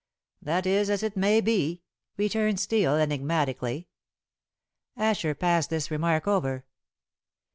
"That is as it may be," returned Steel enigmatically. Asher passed this remark over.